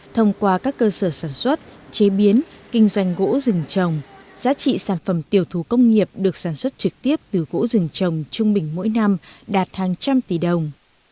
thông qua các cơ sở sản xuất chế biến kinh doanh gỗ rừng trồng giá trị sản phẩm tiểu thú công nghiệp được sản xuất trực tiếp từ gỗ rừng trồng trung bình mỗi năm đạt hàng trăm tỷ đồng